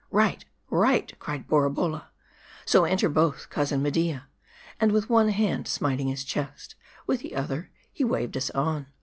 "Right, righV cried Borabolla; "so enter both, cousin Media ;" &nd with one hand smiting his chest, with the other he waved us on.